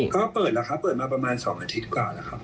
ก็เปิดแล้วครับเปิดมาประมาณ๒อาทิตย์กว่าแล้วครับ